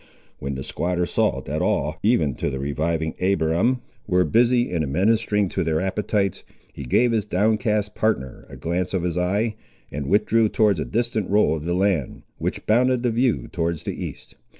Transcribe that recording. When the squatter saw that all, even to the reviving Abiram, were busy in administering to their appetites, he gave his downcast partner a glance of his eye, and withdrew towards a distant roll of the land, which bounded the view towards the east.